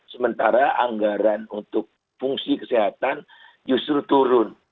sementara anggaran untuk fungsi kesehatan justru turun